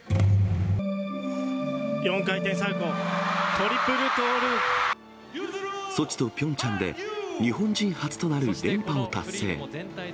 ４回転サルコー、トリプルトソチとピョンチャンで、日本人初となる連覇を達成。